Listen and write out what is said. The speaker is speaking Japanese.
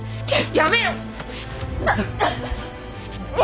やめよ！